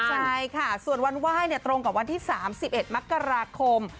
ใช่ค่ะส่วนวันไหว้ตรงกับวันที่๓๑มกราคม